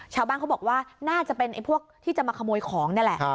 ชาวบ้านเขาบอกว่าน่าจะเป็นพวกที่จะมาขโมยของนี่แหละ